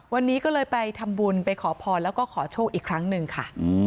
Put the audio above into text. วันนี้ก็เลยไปทำบุญไปขอพรแล้วก็ขอโชคอีกครั้งหนึ่งค่ะ